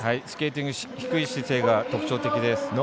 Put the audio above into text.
スケーティング低い姿勢が特徴的です。